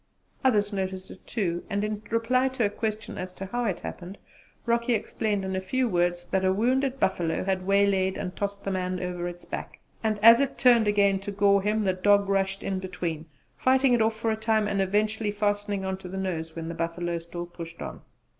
Others noticed it too; and in reply to a question as to how it had happened Rocky explained in a few words that a wounded buffalo had waylaid and tossed the man over its back, and as it turned again to gore him the dog rushed in between, fighting it off for a time and eventually fastening on to the nose when the buffalo still pushed on.